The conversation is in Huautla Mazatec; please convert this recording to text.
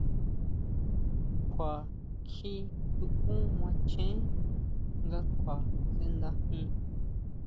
Kjua kjí tukún macheén nga kjua sʼendajin.